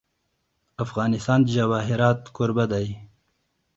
افغانستان د جواهرات کوربه دی.